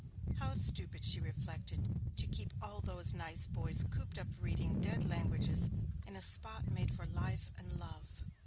'How stupid,' she reflected, 'to keep all those nice boys cooped up reading dead languages in a spot made for life and love.'